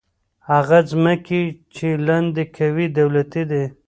هغه ځمکې چې لاندې کوي، دولتي دي.